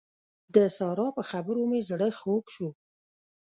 د سارا په خبرو مې زړه خوږ شو.